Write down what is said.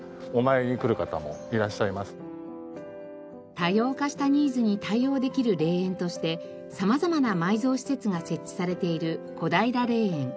多様化したニーズに対応できる霊園として様々な埋蔵施設が設置されている小平霊園。